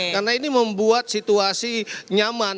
karena ini membuat situasi nyaman